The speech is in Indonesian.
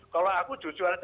kalau aku jujur aja tentu